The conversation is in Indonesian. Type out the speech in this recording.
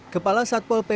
kepala satpol pembangunan